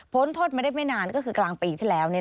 โทษมาได้ไม่นานก็คือกลางปีที่แล้ว